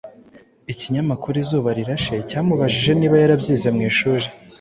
Ikinyamakuru Izuba Rirashe cyamubajije niba yarabyize mu ishuri,